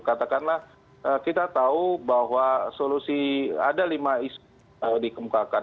katakanlah kita tahu bahwa solusi ada lima isu dikemukakan